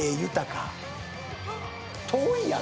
遠いやろ。